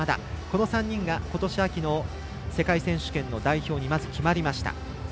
この３人がことし秋の世界選手権の代表にまず決まりました。